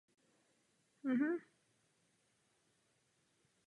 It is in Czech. Politici a občanů musí svým jednáním odpovídat na problémy světa.